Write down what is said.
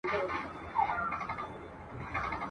چي تر څو پوري د زور توره چلیږي ..